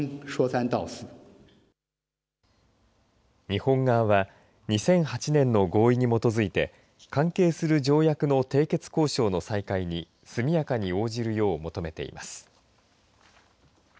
日本側は２００８年の合意に基づいて関係する条約の締結交渉の再開に速やかに応じるよう求めています。